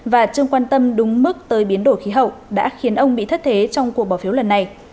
và chưa quan tâm đúng mức tới biến đổi khí hậu đã khiến ông bị thất thế trong cuộc bỏ phiếu lần này